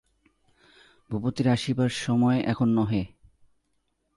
ভূপতির আসিবার সময় এখন নহে।